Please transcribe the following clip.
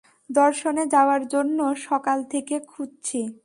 দর্শনে যাওয়ার জন্য সকাল থেকে খুঁজছি।